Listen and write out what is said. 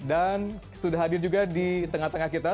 dan sudah hadir juga di tengah tengah kita